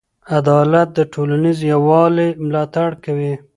عدالت د ټولنیز یووالي ملاتړ کوي.